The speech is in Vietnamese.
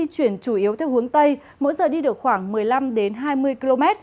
chuyển chủ yếu theo hướng tây mỗi giờ đi được khoảng một mươi năm đến hai mươi km